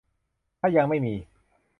ถ้ายังไม่มี